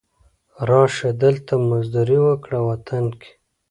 را شه، دلته مزدوري وکړه وطن کې